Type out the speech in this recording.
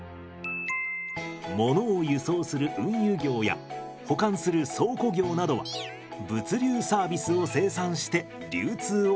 ものを輸送する運輸業や保管する倉庫業などは物流サービスを生産して流通をサポートしています。